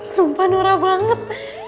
sumpah nurah banget